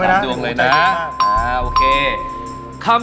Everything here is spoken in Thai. ไอโฟน๕เป็นไอโฟนรุ่นที่เท่าไหร่ของยี่ห้อไอโฟนค่ะ